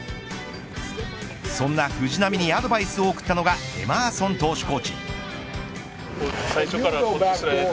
そんな藤浪にアドバイスを送ったのがエマーソン投手コーチ。